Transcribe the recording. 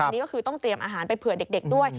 นี่ก็คือต้องเตรียมอาหารไปเผื่อเด็กด้วย